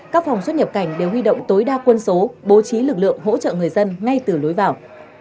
các phòng xuất nhập cảnh đều huy động tối đa quân số bố trí lực lượng hỗ trợ người dân ngay từ lối vào